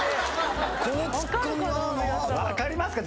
分かりますか？